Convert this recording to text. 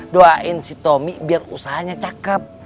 doain si tommy biar usahanya cakep